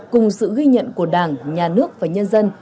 cùng sự ghi nhận của đảng nhà nước và nhân dân